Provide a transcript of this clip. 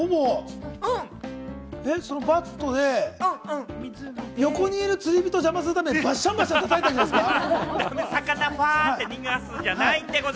バットで横にいる釣り人を邪魔するためにバッシャンバッシャン、叩いたんじゃないですか？